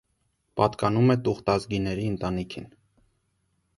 Պատկանում է տուղտազգիների ընտանիքին։